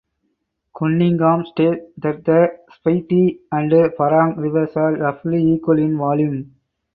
Cunningham states that the Spiti and Parang rivers are roughly equal in volume.